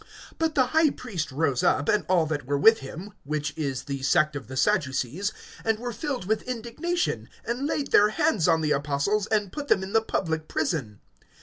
(17)But the high priest rose up, and all that were with him, which is the sect of the Sadducees, and were filled with indignation, (18)and laid their hands on the apostles, and put them in the public prison.